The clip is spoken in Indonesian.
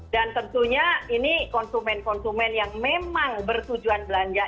dan tentunya ini konsumen konsumen yang memang bertujuan belanja